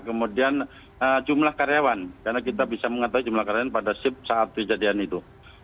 kemudian jumlah karyawan karena kita bisa mengetahui jumlah karyawan pada ship saat kejadian itu